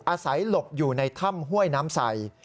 อาศัยหลบอยู่ในถ้ำห้วยน้ำไส